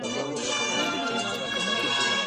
رسولان د پندلرونکو موعظو او واضحو کتابونو سره راغلي دي.